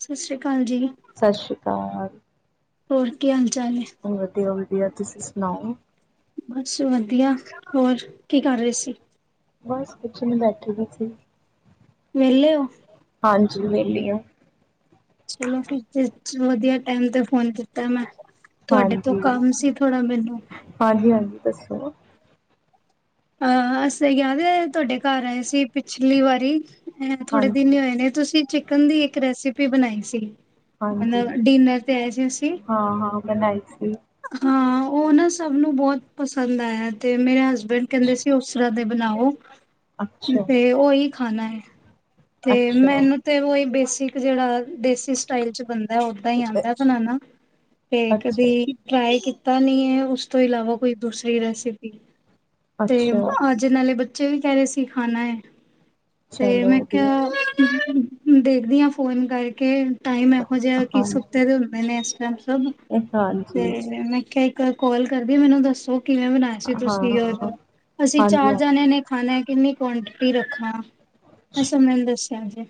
ਸਤਿ ਸ੍ਰੀ ਅਕਾਲ ਜੀ, ਸਤਿ ਸ੍ਰੀ ਅਕਾਲ। ਹੋਰ ਕੀ ਹਾ ਉਹ ਵਧੀਆ ਉਹ ਵੀ। ਵਧੀਆ ਤੁਸੀਂ ਸੁਣਾਓ? ਬਸ ਵਧੀਆ ਹੋਰ ਕੀ ਕਰ ਰਹੇ ਸੀ? ਬਸ ਕੁਛ ਨੀ ਬੈਠੀ ਵੀ ਸੀ। ਵਿਹਲੇ ਹੋ? ਹਾਂਜੀ ਵਿਹਲੀ ਆ। ਚਲੋ ਫਿਰ ਤੇ ਵਧੀਆ ਟਾਈਮ ਤੇ ਫੋਨ ਕੀਤਾ ਮੈਂ। ਤੁਹਾਡੇ ਤੋਂ ਹਾਂਜੀ ਕੰਮ ਸੀ ਥੋੜ੍ਹਾ ਮੈਨੂੰ। ਹਾਂਜੀ ਹਾਂਜੀ ਦੱਸੋ। ਆ ਅਸੀਂ ਯਾਦ ਤੁਹਾਡੇ ਘਰ ਆਏ ਸੀ ਪਿਛਲੀ ਵਾਰੀ। ਐ ਥੋੜੇ ਦਿਨ ਹਾਂਜੀ ਹੀ ਹੋਏ ਨੇ ਤੁਸੀਂ ਚਿਕਨ ਦੀ ਇੱਕ ਰੈਸਿਪੀ ਬਣਾਈ ਸੀ। ਹਾਂਜੀ ਮਤਲਬ ਡਿਨਰ ਤੇ ਆਏ ਸੀ ਅਸੀਂ, ਹਾਂ ਹਾਂ ਬਣਾਈ ਸੀ ਹਾਂ। ਉਹ ਨਾ ਸਭ ਨੂੰ ਬਹੁਤ ਪਸੰਦ ਆਇਆ ਤੇ ਮੇਰੇ ਹਸਬੈਂਡ ਕਹਿੰਦੇ ਸੀ ਉਸ ਰਾਤ ਓਦਾ ਈ ਬਣਾਓ। ਅੱਛਾ ਤੇ ਉਹੀ। ਖਾਣਾ ਹੈ। ਤੇ ਅੱਛਾ ਮੈਨੂੰ ਤੇ ਉਹ ਹੀ ਬੇਸਿਕ ਇੱਕ ਜਿਹੜਾ। ਦੇਸੀ ਸਟਾਈਲ ਚ ਬਣਦਾ ਉਦਾਂ ਹੀ ਆਉਂਦਾ ਬਨਾਉਣਾ ਤੇ ਕਦੀ ਅੱਛਾ ਟਰਾਈ। ਪਤਾ ਨਹੀਂ ਹੈ ਉਸ ਤੋਂ ਇਲਾਵਾ ਕੋਈ ਦੂਸਰੀ ਰੈਸਿਪੀ? ਤੇ ਅੱਛਾ ਅੱਜ ਨਾਲੇ ਬੱਚੇ। ਬੱਚੇ ਵੀ ਕਹਿ ਰਹੇ ਸੀ ਖਾਣਾ ਹੈ? ਤੇ ਚਲੋ ਮੈਂ ਵਧੀਆ ਕਿਹਾ? ਹੂੰ ਦੇਖਦੀ ਹਾਂ ਫੋਨ ਕਰਕੇ। ਕਰਕੇ ਟਾਈਮ ਇਹੋ ਜਿਹਾ ਕਿ ਹਾਂਜੀ ਸੁੱਤੇ ਦੇ ਹੁੰਦੇ ਨੇ ਇਸ ਟਾਈਮ ਸਭ ਤੇ ਹਾਂਜੀ ਮੈਂ ਕਿਹਾ। ਮੈਂ ਕੌਲ ਕਰਦੀ ਹਾਂ ਮੈਨੂੰ ਦੱਸੋ? ਕਿਵੇਂ ਬਣਾਏ ਸੀ ਹਾਂ ਤੁਸੀਂ ਹਾਂ ਉਹਨੂੰ ਅਸੀਂ ਹਾਂਜੀ ਚਾਰ ਜਣਿਆਂ ਨੇ ਖਾਣਾ ਹੈ? ਕਿੰਨੀ ਕੁਆਂਟਿਟੀ ਰੱਖਾ। ਅੱਛਾ ਹਾਂਜੀ ਮੈਨੂੰ ਦੱਸਿਆ ਜੇ?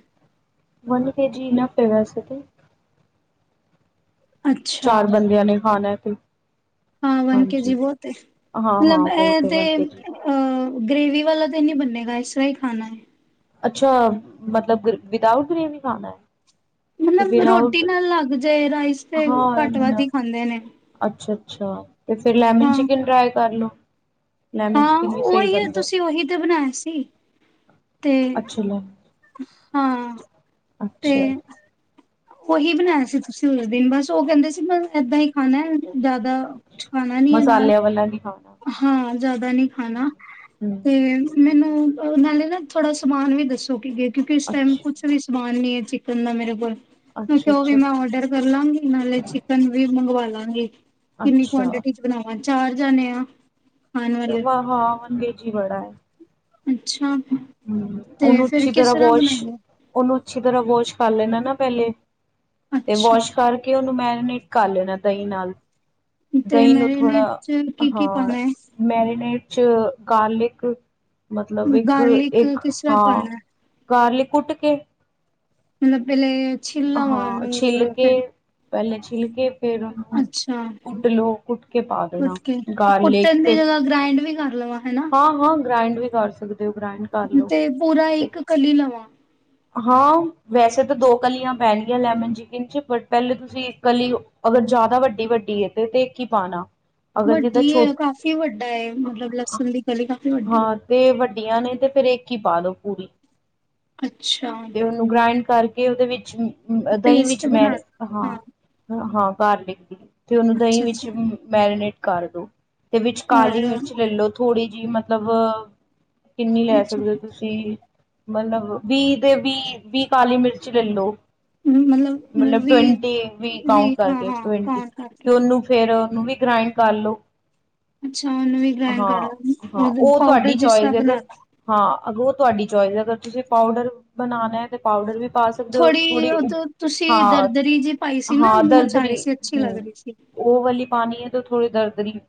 ਵਨ ਕੇ ਜੀ ਨਾ ਪੇਵਾ ਚ ਸੁੱਟੀ? ਅੱਛਾ ਬੰਦਿਆਂ ਨੇ ਖਾਣਾ ਤੇ ਹਾਂ ਵਨ ਕੇ ਜੀ ਹਾਂਜੀ ਉਹ ਤੇ ਹਾਂ ਹਾਂ ਮਤਲਬ ਇਹ ਬਹੁਤ ਹੈ ਤੇ ਵਨ ਕੇ ਜੀ ਅ। ਗ੍ਰੇਵੀ ਵਾਲਾ ਤਾਂ ਨਹੀਂ ਬਨੇਗਾ ਇਸ ਤਰ੍ਹਾਂ ਹੀ ਖਾਣਾ ਹੈ? ਅੱਛਾ ਮੱਤਲਬ ਵਿਦਾਊਟ ਗ੍ਰੇਵੀ ਖ਼ਾਨਾ ਹੈਂ। ਮੱਤਲਬ ਰੋਟੀ ਨਾਲ਼ ਲੱਗ ਜਾਏ। ਰਾਈਸ ਤੇ ਹਾਂ ਘੱਟ ਵੱਧ ਹੀ ਖਾਂਦੇ ਨੇਂ। ਅੱਛਾ ਅੱਛਾ। ਤੇ ਫੇਰ ਲੈਮਨ ਚਿਕਨ ਟ੍ਰਾਈ ਕਰ ਲੋ ਲੈਮਨ ਹਾਂ, ਚਿਕਨ ਵੀ ਸਹੀ ਉਹੀ ਬਣਦਾ ਤੁਸੀਂ ਉਹੀ ਤੇ ਬਣਾਏ ਸੀ। ਤੇ ਅੱਛਾ ਲੈ ਹਾਂ ਤੇ ਅੱਛਾ ਉਹੀ ਬਣਾਇਆ ਸੀ, ਤੁਸੀਂ ਉਸ ਦਿਨ, ਬਸ ਉਹ ਕਹਿੰਦੇ ਸੀ ਬ ਏਦਾਂ ਹੀ ਖਾਣਾ ਜ਼ਿਆਦਾ ਕੁਛ, ਖਾਣਾ ਨਈ ਹੈ ਨਾਲ ਮਸਾਲਿਆਂ ਵਾਲਾ ਨਹੀਂ ਖਾਣਾ ਹਾਂ ਜ਼ਿਆਦਾ, ਨਹੀਂੀ ਖਾਣਾ ਹਮ ਤੇ ਮੈਨੂੰ ਨਾਲੇ ਨਾ ਥੋੜਾ ਸਮਾਨ ਵੀ ਦੱਸੋ ਕਿ ਕਿਉਂਕਿ ਇਸ ਟਾਈਮ ਅੱਛਾ ਕੁਛ ਵੀ ਸਮਾਨ ਮੰਨ ਲਈਏ, ਚਿਕਨ ਦਾ ਮੇਰੇ ਕੋਲ ਅੱਛਾ ਉਹ ਵੀ ਅੱਛਾ ਮੈਂ ਆਰਡਰ ਕਰ ਲਾਂਗੀ ਨਾਲੇ ਚਿਕਨ ਵੀ ਮੰਗਵਾ ਲਾਂ [unintelligible] ਕਿੰਨੀ ਕੁਆਂਟਿਟੀ ਚ ਬਣਾਵਾਂਗੇ। ਚਾਰ ਜਣੇ ਆ। ਖਾਣ ਵਾਲੇ ਅੱਛਾਵਾ, ਵਿੱਚ ਹੀ ਬੜਾ ਹੈ ਅੱਛਾ ਤੇ ਓਹਨੂੰ ਫੇਰ ਅੱਛੀ, ਕਿਸ ਤਰ੍ਹਾਂ ਵਾਸ਼ ਬਣਾਈਏ ਉਨਹੂ ਅੱਛੀ ਤਰ੍ਹਾਂ ਬੋਸ਼ ਕਰ ਲੈਣਾ, ਨਾ ਪਹਿਲੇ ਤੇ ਅੱਛਾ ਵਾਸ਼ ਕਰਕੇ ਉਹਨੂੰ ਮੈਂ ਮਿੱਕ ਕਰ ਲੈਣਾ ਦਈ ਨਾਲ। ਤੇ ਦਹੀਂ ਨੂੰ ਥੋੜ੍ਹਾ ਮੈਰੀਨੇਡ ਚ ਕੀ-ਕੀ ਹਾਂ ਪਾਣਾ ਹੈ। ਮੈਰੀਨੇਟ 'ਚ' ਗਾਰਲਿਕ, ਮਤਲਬ ਗਾਰਲਿਕ ਇੱਕ-ਇੱਕ ਕਿਸ ਤਰ੍ਹਾਂ ਪਾਣਾ ਹਾਂ, ਹੈ? ਗਾਰਲਿਕ ਕੁੱਟ ਕੇ, ਪਹਿਲੇ ਛਿੱਲਾਂ ਮਾਰ ਹਾਂ, ਲੂ ਛਿਲ ਕੇ। ਫਿਰ ਪਹਿਲੇ ਛਿਲ ਕੇ ਫੇਰ ਉਹਨੂੰ ਅੱਛਾ ਕੁੱਟ ਲਓ, ਕੁੱਟ ਕੇ ਪਾ ਦੇਣਾ ਕੁੱਟ ਕੇ ਗਾਰਲਿਕ ਕੁੱਟਣ ਦੀ ਫਿਰ ਜਗ੍ਹਾ [unintelligible] ਹਾਂ-ਹਾਂ, ਗ੍ਰਾਇੰਡ ਵੀ, ਕਰ ਸਕਦੇ। ਹੋ ਗ੍ਰਾਇੰਡ ਕਰ ਲਓ ਤੇ ਪੂਰਾ ਤੇ ਇੱਕ ਕਲੀ ਲਵਾਂ ਹਾਂ ਵੈਸੇ ਤਾਂ ਦੋ ਕਲੀਆਂ ਪੈਣਗੀਆਂ ਲੈਮਨ ਚਿਕਨ ਚ ਬਟ ਪਹਿਲੇ ਤੁਸੀਂ ਕਲੀ ਅਗਰ ਜ਼ਿਆਦਾ ਵੱਡੀ ਵੱਡੀ ਹੈ ਤੇ ਤੇ ਇੱਕ ਹੀ ਪਾਣਾ ਵੱਡੀ ਹੈ ਕਾਫ਼ੀ ਵੱਡਾ ਹੈ ਮਤਲਬ ਲਸਣ ਦੀ ਕਲੀ ਕਾਫ਼ੀ ਵੱਡੀ ਹੈ। ਹਾਂ ਤੇ ਵੱਡੀਆਂ ਨੇ ਤੇ ਫੇਰ ਇੱਕ ਹੀ ਪਾ ਦਓ ਪੂਰੀ। ਅੱਛਾ ਤੇ ਉਹਨੂੰ ਗ੍ਰਾਇੰਡ ਕਰਕੇ ਕੇ ਉਹਦੇ ਵਿੱਚ ਦਹੀਂ ਪੇਸਟ ਵਿੱਚ ਬਣਾ ਮੈਂ ਹਾਂ ਹਾਂ ਬਾਹਰ ਨਿਕਦੀ ਤੇ ਉਹਨੂੰ ਦਹੀਂ ਵਿੱਚ ਅੱਛਾ-ਅੱਛਾ ਮੈਰੀਨੇਟ ਕਰ ਦੋ। ਦੇ ਵਿੱਚ ਕਾਲੀ ਔਰ ਮਿਰਚ ਲੈ ਲਓ ਥੋੜੀ ਜਿਹੀ ਮਤਲਬ ਕਿੰਨੀ ਲੈ ਅੱਛਾ ਸਕਦੇ ਹੋ ਤੁਸੀਂ ਮਤਲਬ ਵੀਹ ਦੇ ਵੀਹ ਵੀਹ ਕਾਲੀ ਮਿਰਚ ਲੈ ਲੋ। ਮਤਲਬ ਟਵੰਟੀ ਵੀ ਕਾਉਂਟ ਕਰਕੇ ਹਾਂ-ਹਾਂ ਟਵੰਟੀ ਕੌਣ ਕਰਕੇ ਤੇ ਉਹਨੂੰ ਫੇਰ ਉਹਨੂੰ ਵੀ ਗ੍ਰਾਇੰਡ ਕਰ ਲੋ। ਅੱਛਾ ਉਹਨੂੰ ਵੀ ਗਾਇਣ ਕਰ ਲਾਂ ਹਾਂ ਹਾਂ ਉਹ ਤੁਹਾਡੀ ਚੋਇਸ ਅਗਰ ਹਾਂ ਅਗਰ ਤੁਹਾਡੀ ਚੋਇਸ ਅਗਰ ਤੁਸੀਂ ਪਾਊਡਰ ਬਣਾਣਾ ਹੈ ਤੇ ਪਾਊਡਰ ਵੀ ਪਾ ਸਕਦੇ ਹੋ ਥੋੜ੍ਹੀ ਉਹ ਤ ਤੁਸੀਂ ਦਰਦਰੀ ਜੀ ਪਾਈ ਸੀ ਨਾ ਹਾਂ-ਹਾਂ ਮੂੰਹ ਚ ਆ ਦਰਦਰੀ ਰਹੀ ਸੀ ਅੱਛੀ ਲੱਗ ਹੂੰ ਰਹੀ ਸੀ। ਉਹ ਵਾਲੀ ਪਾਣੀ ਹੈ। ਥੋੜੀ ਦਰਦਰੀ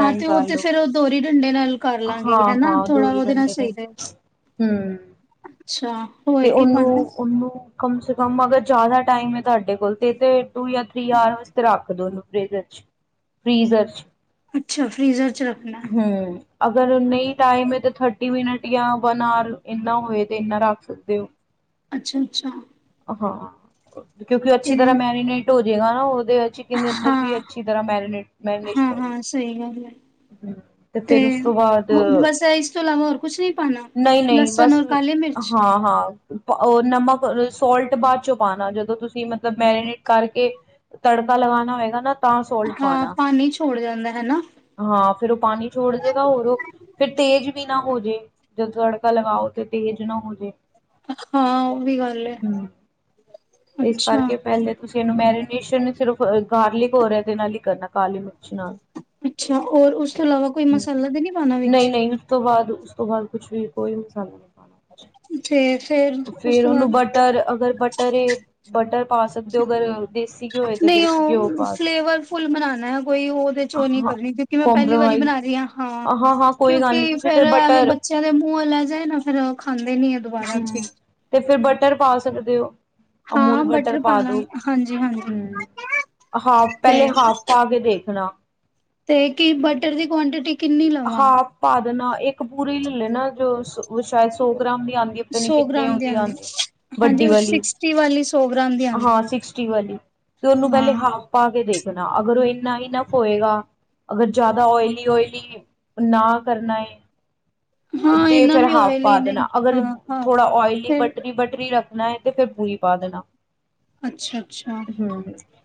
ਹਾਂ ਤੇ ਉਹ ਕਰ ਤੇ ਲੋ ਫੇਰ ਉਹ ਦੋਹਰੀ ਨਾਲ ਕਰ ਲਾਂਗੇ ਹਾਂ ਹਨਾ ਹਾਂ ਥੋੜਾ ਦੋਹਰੀ ਉਹਦੇ ਨਾਲ ਡੰਡੇ ਤੇ ਸਹੀ ਰਹੇਗਾ ਹਮ ਅੱਛਾ ਤੇ ਹੋਰ ਕੀ ਉਹਨੂੰ ਪਾਣਾ ਐ। ਉਹਨੂੰ ਕਮ ਸੇ ਕਮ ਅਗਰ ਜ਼ਿਆਦਾ ਟਾਈਮ ਹੈ ਤੁਹਾਡੇ ਕੋਲ ਤੇ ਤੇ ਟੂ ਜਾਂ ਥ੍ਰਰੀ ਆਰ ਵਾਸਤੇ ਰੱਖ ਦੋ ਫੇਜ਼ਰ ਚ ਫ੍ਰੀਜ਼ਰ ਚ, ਅੱਛਾ ਫ੍ਰਰੀਜ਼ਰ ਹੂੰ। ਅਗਰ ਨਹੀਂ ਟਾਈਮ ਹੈ ਤਾਂ ਥਰਟੀ ਮਿੰਨਟ ਜਾਂ ਵਨ ਆਰ ਇਨਾ ਹੋਵੇ ਤੇ ਇਨਾ ਰੱਖ ਸਕਦੇ ਹੋ। ਅੱਛਾ ਅੱਛਾ। ਹਾਂ। ਕਿਉਂਕਿ ਅੱਛ ਤਰ੍ਹਾਂ ਮੈਰੀਨੇਟ ਹੋ ਜਿਹੜਾ ਨਾ ਉਹ ਚਿਕਨ ਦੇ ਅੰਦਰ ਵੀ ਹਾਂ, ਅੱਛੀ ਤਰ੍ਹਾਂ ਮੈਰੀਨੇਟ ਮੈਰੀਨੇਸ਼ਨ ਹੋ ਜਾਏਗੀ। ਹਾਂ-ਹਾਂ ਸਹੀ ਗੱਲ ਹੈ ਤੇ ਫਿਰ ਉਸ ਤੋਂ ਬਾਅਦ ਬਸ ਇਸ ਤੋਂ ਇਲਾਵਾ ਹੋਰ ਕੁਛ ਨੀ ਪਾਣਾ ਨਹੀਂ-ਨਹੀਂ ਲਸਣ ਬਸ ਔਰ ਕਾਲੀ ਮਿਰਚ ਹਾਂ-ਹਾਂ ਉਹ ਨਮਕ ਸੋਲਟ ਬਾਅਦ ਚੋਂ ਪਾਉਣਾ ਜਦੋਂ ਤੁਸੀਂ ਮਤਲਬ ਮੈਰੀਨੇਟ ਕਰਕੇ ਤੜਕਾ ਲਗਾਉਣਾ ਹੋਏਗਾ ਨਾ। ਤਾਂ ਸੋਲਟ ਹਾਂ ਪਾਣਾ ਪਾਣੀ ਛੋੜ ਜਾਂਦਾ ਹਨਾ। ਹਾਂ ਫੇਰ ਉਹ ਪਾਣੀ ਛੋੜ ਜੇਗਾ ਹੋਰ ਉਹ ਫੇਰ ਤੇਜ਼ ਵੀ ਨਾ ਹੋ ਜੇ ਜਦੋਂ ਤੜਕਾ ਲਗਾਓ ਤੇ ਤੇਜ਼ ਨਾ ਹੋਜੇ। ਹਾਂ ਉਹ ਵੀ ਗੱਲ ਹੈ। ਇਸ ਅੱਛਾ, ਕਰਕੇ ਪਹਿਲੇ ਤੁਸੀਂ ਮੈਨੂੰ ਮੈਰੀਨੇਸ਼ਨ ਸਿਰਫ ਗਾਰਲਿਕ ਹੋਰ ਇਹਦੇ ਨਾਲ ਹੀ ਕਰਨਾ ਕਾਲੀ ਮ ਅੱਛਾ ਹੋਰ ਉਸ ਤੋਂ ਇਲਾਵਾ ਕੋਈ ਹੂੰ ਮਸਾਲਾ ਤੇ ਨੀ ਪਾਣਾ ਨਹੀਂ ਵਿਚ। ਨਹੀਂ ਉਸ ਤੋਂ ਬਾਅਦ ਉਸ ਤੋਂ ਬਾਅਦ ਕੁਛ ਵੀ ਕੋਈ ਮਸਾਲਾ ਨਹੀਂ ਪਾਉਣਾ। ਤੇ ਉਸ ਫੇਰ ਤੋਂ ਉਹਨੂੰ ਬਾਅਦ ਬਟਰ ਅਗਰ ਬਟਰ ਬਟਰ ਪਾ ਸਕਦੇ ਹੋ ਅਗਰ ਦੇਸੀ ਘਿਓ ਏ ਤੇ ਨਹੀਂ ਦੇਸੀ ਉਹ ਘਿਓ ਪਾ ਫਲੇਵਰ ਫੁਲ ਬਣਾਣਾ ਹੈ ਕੋਈ ਉਹਦੇ ਚ ਉਹ ਨੀ ਹਾਂ ਕਰਨੀ ਕਿਉਂਕਿ ਮੈਂ ਪਹਿਲੀ ਵਾਰੀ ਕੰਪ੍ਰੋਮਾਈਜ਼ ਬਣਾ ਰਹੀ ਹਾਂ ਹਾਂ ਹਾਂ ਕੋਈ ਗੱਲ ਨਹੀਂ ਕਿਉਂਕਿ ਤੁਸੀਂ ਫੇਰ ਫਿਰ ਐਵੇਂ ਬਟਰ ਬੱਚਿਆਂ ਦੇ ਮੂੰਹ ਲੇ ਜਿਹੇ ਨਾ ਫੇਰ ਖਾਂਦੇ ਨੀ ਆ ਦੁਬਾਰਾ ਚ ਹੀ ਹੂੰ ਤੇ ਫਿਰ ਬਟਰ ਪਾ ਸਕਦੇ ਹੋ। ਹਾਂ ਅਮੂਲ ਬਟਰ ਪਾ ਦੋ ਲਾਂਗੇ ਹਾਂਜੀ ਹਾਂਜੀ ਹੂੰ ਹਾਫ ਪਹਿਲੇ ਹਾਫ ਤੇ ਪਾ ਕੇ ਦੇਖਣਾ। ਤੇ ਕੀ ਬਟਰ ਦੀ ਕੁਆਂਟਿਟੀ ਕਿੰਨੀ ਲਵਾਂ? ਨਾ ਇੱਕ ਪੂਰੀ ਲ਼ੇ ਲੇਣਾ ਜੋ ਉਹ ਸ਼ਾਇਦ ਸੌ ਗ੍ਰਾਮ ਨੀ ਆਂਦੀ ਪਤਾ ਨੀ ਸੌ ਨੇ ਗ੍ਰਾਮ ਦੀ ਉਹਦੀ ਆਂਦੀ ਹਾਂਜੀ ਵੱਡੀ ਉਹ ਵਾਲੀ ਸਿਕਸਟੀ ਵਾਲੀ ਸੌ ਗ੍ਰਾਮ ਦੀ ਆਂਦੀ ਹਾਂ ਸਿਕਸਟੀ ਵਾਲੀ ਤੇ ਉਹਨੂੰ ਹਾਂ ਪਹਿਲੇ ਹਾਫ ਪਾ ਕੇ ਦੇਖਣਾ ਅਗਰ ਉਹ ਇੰਨਾ ਇਨਫ ਹੋਏਗਾ ਅਗਰ ਜ਼ਿਆਦਾ ਓਇਲੀ ਓਇਲੀ ਨਾ ਕਰਨਾ। ਹਾਂ ਤੇ ਇਨਾ ਫਿਰ ਵੀ ਹਾਫ ਓਇਲੀ ਪਾ ਨਹੀਂ ਦੇਣਾ ਅਗਰ ਹਾਂ ਹਾਂ। ਥੋੜਾ ਓਇਲੀ ਫਿਰ ਬਟਰੀ ਬਟਰੀ ਰੱਖ ਣਾ ਤੇ ਫਿਰ ਬੂਰੀ ਪਾ ਦੇਣਾ। ਅੱਛਾ ਅੱਛਾ। ਹੂੰ,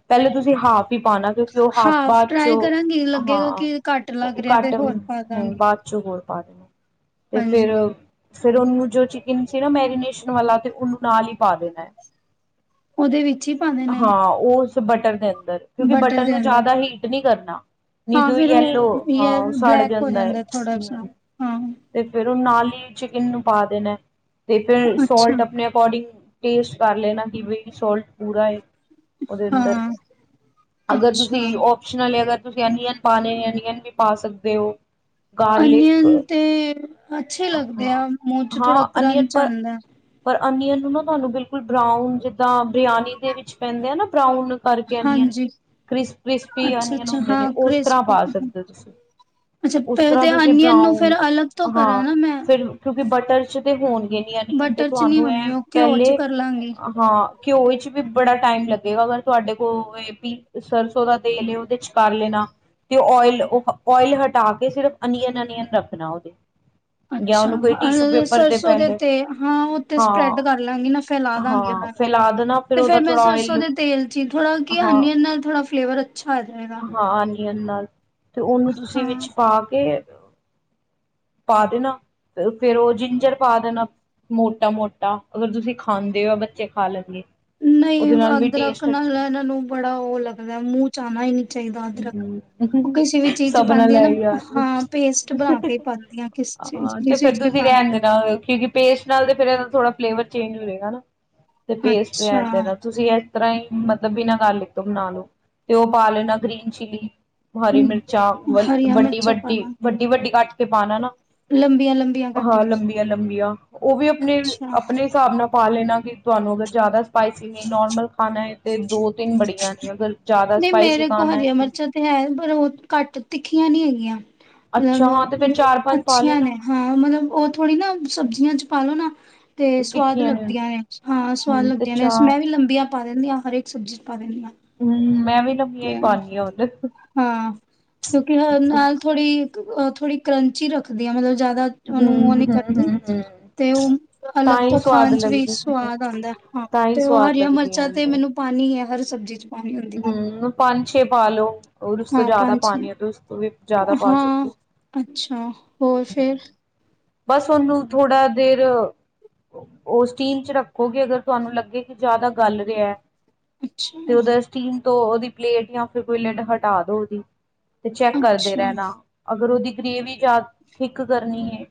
ਪਹਿਲੇ ਤੁਸੀਂ ਹਾਫ ਵੀ ਪਾਣਾ ਕਿਉਂਕਿ ਉਹ ਹਾਫ ਬਾਅਦ ਟਰਾਈ ਚੋਂ ਕਰਾਂਗੀ ਲੱਗੇਗਾ ਹਾਂ ਕਿ ਘੱਟ ਲੱਗ ਰਿਹਾ ਤੇ ਘੱਟ ਹੋਰ ਪਾ ਹਣ ਦਾਂਗੀ। ਬਾਅਦ ਚੋਂ ਹੋਰ ਪਾ ਨੇ ਤੇ ਫੇਰ ਹਾਂਜੀ ਫੇਰ ਉਹਨੂੰ ਜੋ ਚ ਜ਼ ਸੀ ਨਾ ਮੈਰੀਨੇਸ਼ਨ ਵਾਲਾ ਤੇ ਉਹਨੂੰ ਨਾਲ ਹੀ ਪਾ ਦੇਣਾ ਹੈ। ਉਹਦੇ ਵਿੱਚ ਹੀ ਪਾ ਦੇਣਾ? ਤੇ ਬਟਰ ਦਨ। ਕਿਉਂਕਿ ਬਟਨ ਨੂੰ ਜ਼ਿਆਦਾ ਹੀਟ ਨਹੀਂ ਕਰਦਾ। ਨਾ। ਹਾਂ ਨਿਦੂ ਫਿਰ ਯੈਲੋ ਉਹ ਹਾਂ ਯ ਉਹ ਸੜ ਬਲੈਕ ਹੋ ਜਾਂਦਾ ਹੈ ਥੋੜਾ ਹਮ ਸਾ ਹਾਂ ਤੇ ਫੇਰ ਉਹ ਨਾਲ। ਫੇਰ ਚਿਕਨ ਨੂੰ ਪਾ ਦੇਣਾ। ਤੇ ਫੇਰ ਅੱਛਾ ਸੋਲਟ ਆਪਣੇ ਅਕੋਰਡਿੰਗ। ਟੇਸਟ ਕਰ ਲੈਣਾ ਕਿ ਵੀ ਸੋਲਟ ਪੂਰਾ ਹੈ। ਉਹਦੇ ਅੰਦਰ ਹਾਂ ਅਗਰ ਤੁਸੀਂ ਅੱਛਾ ਓਪਸ਼ਨਲ ਅਗਰ। ਤੁਸੀਂ ਅਨੀਅਨ ਪਾਣੇ ਅਨੀਅਨ ਵੀ ਪਾ ਸਕਦੇ ਹੋ। ਅਨੀਅਨ ਤੇ ਅੱਛੇ ਲੱਗਦੇ ਹਾਂ, ਆ ਮੂੰਹ ਚ ਹਾਂ ਥੋੜਾ। ਅਨੀਅਨ ਕਰੰਚ ਪਰ ਅੰਦਾ। ਪਰ ਅਨੀਅਨ ਨੂੰ ਨਾ ਤੁਹਾਨੂੰ ਬਿਲਕੁਲ ਬਰਾਊਨ ਜਿੱਦਾਂ ਬਰਿਆਨੀ ਦੇ ਵਿੱਚ ਪੈਂਦੇ ਆ ਨਾ ਬਰਾਊਨ। ਕਰਕੇ ਅਨਿਅਨ ਹਾਂਜੀ। ਕ੍ਰਿਸਪੀ ਅਨਿਅਨ ਅੱਛਾ-ਅੱਛਾ ਹੁੰਦੇ ਨੇ ਹਾਂ ਉਸ ਤਰ੍ਹਾਂ ਕ੍ਰਿਸਪ ਪਾ ਸਕਦੇ ਹੋ ਤੁਸੀਂ ਅੱਛਾ ਉਸ ਤਰ੍ਹਾਂ ਤੇ ਤੁਸੀਂ ਅਨੀਅਨ ਨੂੰ ਬਰਾਊਨ ਫੇਰ ਅਲੱਗ ਤੋਂ ਕਰਾਂ ਹਾਂ ਨਾ ਮੈਂ ਫਿਰ ਕਿਉਂਕਿ ਬ। ਤ 'ਚ [inaudible] ਤੇ ਹੋਣ। ਅਨਿਅਨ ਤੇ ਬਟਰ ਚ ਨੀ ਤੁਹਾਨੂੰ ਇਹ ਹੋਣਗੇ ਉਹ ਘਿਓ ਪਹਿਲੇ ਚ ਕਰ ਲਾਂਗੀ। ਹਾਂ। ਘਿਓ ਵਿੱਚ ਵੀ ਬੜਾ ਟਾਈਮ ਲੱਗੇਗਾ ਪਰ ਤੁਹਾਡੇ ਕੋਲ ਸਰਸੋ ਦਾ ਤੇਲ ਇਹ ਉਹਦੇ ਚ ਕਰ ਲੈਣਾ ਤੇ ਓਇਲ ਓਇਲ ਹਟਾ ਕੇ ਸਿਰਫ ਅਨੀਆਂਨ ਅਨੀਅਨ ਰੱਖਣਾ ਓਹਦੇ । ਅੱਛਾ ਸਰ। ਉਹਦੇ ਪਹਿਲੇ ਤੇ ਹਾਂ ਉਹਤੇ ਸਪਰੈਡ ਹਾਂ ਕਰ ਲਾਂਗੀ ਨਾ ਫੈਲਾ ਦਾਂਗੀ ਹਾਂ ਉਹਨਾਂ ਨੂੰ ਫੈਲਾ ਦੇਣਾ ਫਿਰ ਤੇ ਉਹਦਾ ਫੇਰ ਮੈਂ ਥੋੜਾ ਸਰਸੋ ਓਇਲ ਉਹਦੇ ਤੇਲ ਚ ਹੀ ਥੋੜ੍ਹਾ ਕਿ ਹਾਂ ਅਨੀਅਨ ਨਾਲ ਥੋੜ੍ਹਾ ਫਲੇਵਰ ਅੱਛਾ ਆ ਜਾਏਗਾ। ਇਹ ਨਾਲ। ਤੇ ਉਹਨੂੰ ਹਾਂ ਤੁਸੀਂ ਵਿੱਚ ਪਾ ਕੇ। ਪਾ ਦੇਣਾ ਫੇਰ ਉਹ ਜਿੰਜਰ। ਪਾ ਦੇਣਾ ਮੋਟਾ-ਮੋਟਾ ਅਗਰ ਤੁਸੀਂ ਖਾਂਦੇ ਹੋ ਆ ਬੱਚੇ ਖਾ ਲੈਂਦੇ। ਨਹੀਂ ਅੰਦਰ ਅਕਲ ਇਹਨਾਂ ਨੂੰ ਬੜਾ ਉਹ ਲੱਗਦਾ ਮੂੰਹ ਚ ਆਉਣਾ ਹੀ। ਚਾਹੀਦਾ ਅਦਰਕ ਉਹ ਕਿਸੇ ਵੀ ਚੀਜ਼ ਸਭ ਨਾਲ ਪਾਉਂਦੀ ਆ ਨਾ ਇਹੀ ਹਾਲ ਹਾਂ ਪੇਸਟ ਬਣਾ ਕੇ ਪਾਉਂਦੀ ਕਿਸ ਆ। ਚੀਜ਼ ਹਾਂ ਤੇ ਜਿਸ ਫਿਰ ਵਿੱਚ ਵੀ ਤੁਸੀਂ ਪਾਉਣਾ ਰਹਿਣ ਦੇਣਾ ਕਿਉਂਕਿ ਪੇਸ ਨਾਲ ਤੇ ਫਿਰ। ਥੋੜਾ ਫਲੇਵਰ ਚੇਂਜ ਹੋਜੇਗਾ ਨਾ। ਤੇ ਪੇਸਟ ਅੱਛਾ ਲੈਣ ਦੇਣਾ ਤੁਸੀਂ ਇਹ। ਤਰ੍ਹਾਂ ਹੀ ਮਤਲਬ ਬਿਨ੍ਹਾਂ ਗਰਲਿਕ ਤੋਂ ਬਣਾ ਲੋ। ਤੇ ਉਹ ਪਾ ਲੈਣਾ। ਗ੍ਰੀਨ ਚਲੀ। ਹਰੀ ਮਿਰਚਾਂ ਵ ਹਰੀਆਂ ਮਿਰਚਾਂ ਵੱਡੀ-ਵੱਡੀ ਪਾਣਾ ਵੱਡੀ-ਵੱਡੀ ਕੱਟ। ਤੇ ਪਾਉਣਾ ਨਾ। ਲੰਬੀਆਂ ਲੰਬੀਆਂ ਕੱਟ ਹਾਂ ਕੇ ਲੰਬੀਆਂ-ਲੰਬੀਆਂ ਉਹ ਵੀ ਅੱਛਾ ਆਪਣੇ-ਆਪਣੇ ਹਿਸਾਬ ਨਾਲ। ਪਾ ਲੈਣਾ ਕਿ ਤੁਹਾਨੂੰ ਅਗਰ ਜ਼ਿਆਦਾ ਸਪਾਈਸੀ ਨਹੀਂ ਨੋਰਮਲ ਖਾਣਾ ਹੈ ਤਾਂ ਦੋ ਤਿੰਨ ਬੜੀਆਂ ਨੇ ਅਗਰ। ਜ਼ਿਆਦਾ ਨਹੀਂ ਸਪਾਈਸੀ। ਮੇਰੇ ਖਾਣਾ ਹਰੀਆਂ ਹੈ ਮਿਰਚਾਂ ਤੇ ਹੈ ਪਰ ਉਹ ਘੱਟ ਤਿੱਖੀਆਂ ਨੀ ਹੈਗੀਆਂ। ਅੱਛਾ ਹਾਂ ਤੇ ਫਿਰ ਮਤਲਬ ਚਾਰ ਪੰਜ ਪਾ ਅੱਛੀਆਂ ਲੈਣਾ ਨੇ ਹਾਂ ਮਤਲਬ ਉਹ ਥੋੜ੍ਹੀ ਨਾ ਸਬਜ਼ੀਆਂ 'ਚ ਪਾਲੋ ਨਾ। ਤੇ ਸਵਾਦ ਲੱਗਦੀਆਂ ਨੇ ਹਾਂ ਸਵਾਦ ਹੂੰ ਤੇ ਲੱਗਦੀਆਂ ਨੇ ਚਾਰ ਮੈਂ ਵੀ ਲੰਬੀਆਂ ਪਾ ਦਿੰਦੀ ਹਾਂ ਹਰੇਕ ਸਬਜ਼ੀ 'ਚ ਪਾ ਦਿੰਦੀ ਹਾਂ। ਹੂੰ ਮੈਂ ਵੀ ਲੰਬੀਆਂ ਤੇ ਹੀ ਪਾਨੀ ਆ ਹੁਣ ਹਾਂ ਕਿਉਂਕਿ ਹੂੰ ਨਾਲ ਥੋੜ੍ਹੀ [unintelligible] ਥੋੜੀ ਕਰੰਚੀ ਰੱਖਦੀ ਆ ਮਤਲਬ ਜ਼ਿਆਦਾ ਉਹਨੂੰ ਉਹ ਹੂੰ ਨੀ ਕਰਦੀ ਹੂੰ ਹੂੰ ਤੇ ਉਹ ਤਾਂ ਅਲੱਗ ਹੀ ਤੋਂ ਸਵਾਦ ਖਾਣ 'ਚ ਵੀ ਲੱਗਦੀ ਸਵਾਦ ਆਉਂਦਾ ਹਾਂ ਤਾਂ ਹੀ ਤੇ ਉਹ ਸਵਾਦ ਹਰੀਆਂ ਮਿਰਚਾਂ ਲੱਗਦੀਆਂ ਤੇ ਨੇ ਮੈਨੂੰ ਪਾਣੀ ਹੀ ਹੈ ਹਰ ਸਬਜ਼ੀ 'ਚ ਪਾਣੀ ਹੁੰਦੀ ਹੈ। ਹੂੰ ਪੰਜ ਛੇ ਪਾਲੋ। ਹਾਂ ਪੰਜ ਛੇ ਜ਼ਿਆਦਾ ਪਾ ਹਾਂ ਸਕਦੇ ਹੋ ਅੱਛਾ ਹੋਰ ਫਿਰ ਬਸ ਉਹਨੂੰ ਥੋੜ੍ਹਾ ਦੇਰ ਉ ਸਟੀਮ 'ਚ ਰੱਖੋਗੇ, ਅਗਰ ਤੁਹਾਨੂੰ ਲੱਗੇ ਕਿ ਜ਼ਿਆਦਾ ਗੱਲ ਰਿਹਾ। ਅੱਛਾ ਤੇ ਉਹਦਾ ਸਟੀਮ ਤੋਂ ਉਹਦੀ ਪਲੇਟ ਜਾਂ ਫਿਰ ਕੋਈ ਲਟ ਹਟਾਦੋ ਉਹਦੀ ਤੇ ਚੈੱਕ ਕਰਦੇ ਅੱਛਾ ਰਹਿਣਾ ਅਗਰ ਉਹਦੀ ਗਰੇਵੀ ਜ ਥੀਕ ਕਰਨੀ ਐ।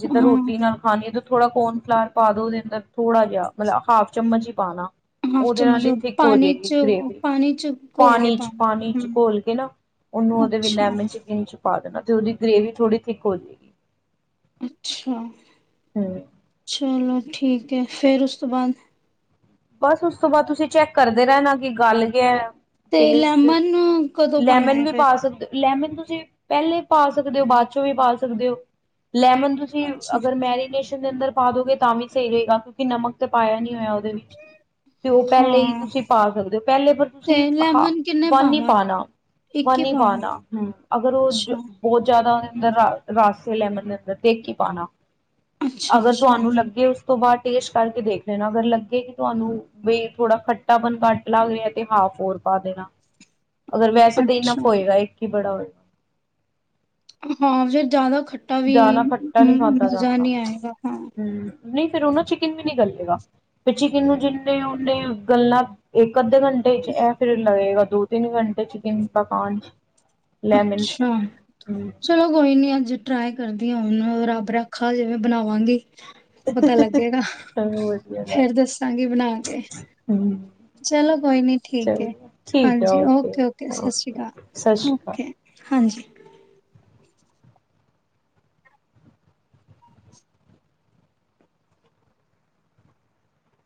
ਜਿੱਦਾਂ ਹਾਂ ਰੋਟੀ ਨਾਲ ਖਾਣੀ ਐ। ਥੋੜਾ ਕੋਰਨਫਲਾਵਰ ਪਾ ਦੋ ਉਹਦੇ ਅੰਦਰ ਥੋੜਾ ਜਿਹਾ ਮਤਲਬ ਹਾਫ ਚਮਚ ਹੀ ਪਾਣਾ। ਹਾਫ ਉਹਦੇ ਨਾਲ ਚਮਚ ਹੀ ਥਿੱਕ ਹੋ ਪਾਣੀ ਜਾਏਗੀ ਚ ਗ੍ਰੇਵੀ ਪਾਣੀ ਚ ਘੋਲ ਕੇ ਪਾਣੀ 'ਚ ਪਾਣੀ ਪਾਣਾ 'ਚ ਹੂੰ ਘੋਲ ਕੇ ਨਾ ਉਹਨੂੰ ਉਹਦੇ ਵਿੱਚ ਅੱਛਾ ਲੈਮਨ ਚਿਕਨ 'ਚ ਪਾ ਦੇਣਾ ਤੇ ਉਹਦੀ ਗ੍ਰੇਵੀ ਥੋੜੀ ਥਿੱਕ ਹੋ ਜਾਏ ਅੱਛਾ ਚਲੋ ਠੀਕ ਓਕੇ ਫੇਰ ਉਸ ਤੋਂ ਬਾਅਦ ਬਸ ਉਸ ਤੋਂ ਬਾਅਦ ਤੁਸੀਂ ਚੈੱਕ ਕਰਦੇ ਰਹਿਣਾ ਕਿ ਗੱਲ ਗਿਆ। ਤੇ ਟੇਸਟ ਲੈਮਨ ਕਦੋਂ ਪਾਣਾ ਲੈਮਨ ਹੈ ਵੀ ਫਿਰ ਪਾ ਸਕਦੇ ਹੋ ਲੈਮਨ ਤੁਸੀਂ ਪਹਿਲੇ ਪਾ ਸਕਦੇ ਹੋ ਬਾਅਦ ਚੋਂ ਵੀ ਪਾ ਸਕਦੇ ਹੋ। ਲੈਮਨ ਤੁਸੀਂ ਅੱਛਾ ਅਗਰ ਮੈਰੀਨੇਸ਼ਨ ਦੇ ਅੰਦਰ ਪਾ ਦੋਗੇ ਤਾਂ ਵੀ ਸਹੀ ਰਹੇਗਾ ਕਿਉਂਕਿ ਨਮਕ ਤੇ ਪਾਇਆ ਨੀ ਹੋਇਆ ਉਹਦੇ ਤੇ ਉਹ ਪਹਿਲੇ ਹੀ ਹਾਂ ਤੁਸੀਂ ਪਾ ਸਕਦੇ ਹੋ ਪਹਿਲੇ ਪਰ ਤੇ ਤੁਸੀਂ ਹਾਂ ਲੈਮਨ ਕਿੰਨੇ ਵਨ ਹੀ ਪਾਵਾਂ ਪਾਣਾ ਇੱਕ ਵਨ ਹੀ ਪਾਵਾਂ ਪਾਣਾ ਹੂੰ ਅਗਰ ਉਹ ਅੱਛਾ ਬਹੁਤ ਜ਼ਿਆਦਾ ਅੰ ਰਸ ਏ ਲੈਮਨ ਦੇ ਅੰਦਰ ਤੇ ਇਕ ਈ ਪਾਣਾ। ਅੱਛਾ ਅਗਰ ਅੱਛਾ ਤੁਹਾਨੂੰ ਲੱਗੇ ਉਸ ਤੋਂ ਬਾਹਰ ਟੇਸ ਕਰਕੇ ਦੇਖ ਲੈਣਾ, ਅਗਰ ਲੱਗੇ ਕਿ ਤੁਹਾਨੂੰ ਵੀ ਥੋੜਾ ਖੱਟਾਪਣ ਘੱਟ ਲੱਗ ਰਿਹਾ ਤੇ ਹਾਫ ਹੋਰ ਪਾ ਦੇਣਾ। ਅਗਰ ਵੈਸੇ ਤਾਂ ਇਨਫ਼ ਅੱਛਾ ਹੋਏਗਾ ਇੱਕ ਹੀ ਬੜਾ ਹੋਏ। ਹਾਂ ਫੇਰ ਜ਼ਿਆਦਾ ਖੱਟਾ ਵੀ ਜ਼ਿਆਦਾ ਖੱਟਾ ਨਹੀਂ ਖਾਧਾ ਮਜ਼ਾ ਜਾਂਦਾ ਨਹੀਂ ਆਏਗਾ ਹਾਂ। ਹਮ ਨਹੀਂ ਫੇਰ ਉਹ ਨਾ ਚਿਕਨ ਵੀ ਨੀ ਗੱਲੇਗਾ, ਤੇ ਚਿਕਨ ਨੂੰ ਜਿੰਨੇ ਉਹਨੇ ਗੱਲਾਂ ਅੱਧੇ ਘੰਟੇ ਚ ਇਹ ਫਿਰ ਲੱਗੇਗਾ। ਦੋ ਤਿੰਨ ਘੰਟੇ ਚਿਕਨ ਪਕਾਨ ਅੱਛਾ ਚਲੋ ਕੋਈ ਨੀ ਅੱਜ ਟਰਾਏ ਕਰਦੀਆਂ ਹੁਣ ਰੱਬ ਰੱਖਾ ਜਿਵੇਂ ਬਣਾਵਾਂਗੀ। ਪਤਾ ਲੱਗੇਗਾ ਚਲੋ ਵਧੀਆ ਗੱਲ ਫੇਰ ਦੱਸਾਂਗੀ ਬਣਾ ਕੇ ਹਮ ਚਲੋ ਕੋਈ ਨੀ ਠੀਕ ਹੈ, ਚਲੋ ਠੀਕ ਹੈ ਹਾਂਜੀ ਓਕੇ ਓਕੇ ਸਸ ਰੀ ਕਾਲ ਸਤਿ ਓ ਸ਼੍ਰੀ ਅਕਾਲ ਕੇ ਹਾਂਜੀ।